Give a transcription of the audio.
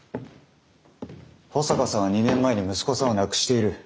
保坂さんは２年前に息子さんを亡くしている。